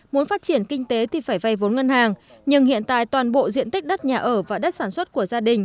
muốn phát triển kinh tế thì phải vây vốn ngân hàng nhưng hiện tại toàn bộ diện tích đất nhà ở và đất sản xuất của gia đình